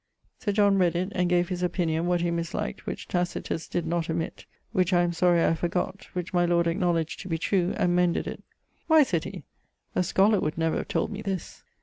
Sir John read it, and gave his opinion what he misliked which Tacitus did not omitt (which I am sorry I have forgott) which my lord acknowledged to be true, and mended it: 'Why,' said he, 'a scholar would never have told me this.'